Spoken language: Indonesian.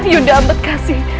yunda amat kasih